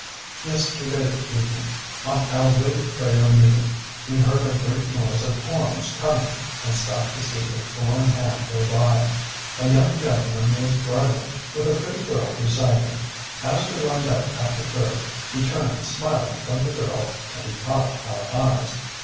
Yesterday evening, on our way to prayer meeting, we heard a great noise of horns coming and stopped to see a four in hand go by. A young gentleman was driving, with a pretty girl beside him. As we lined up at the curb he turned smiling from the girl and he caught our eyes.